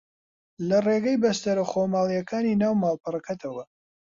لە ڕێگەی بەستەرە خۆماڵییەکانی ناو ماڵپەڕەکەتەوە